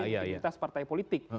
sistema kegiatan partai politik